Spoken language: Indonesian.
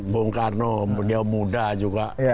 bung karno beliau muda juga